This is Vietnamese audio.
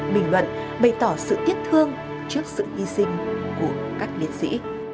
bình luận bày tỏ sự tiếc thương trước sự hy sinh của các liệt sĩ